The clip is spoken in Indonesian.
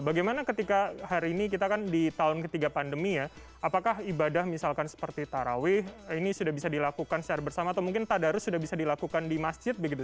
bagaimana ketika hari ini kita kan di tahun ketiga pandemi ya apakah ibadah misalkan seperti tarawih ini sudah bisa dilakukan secara bersama atau mungkin tadarus sudah bisa dilakukan di masjid begitu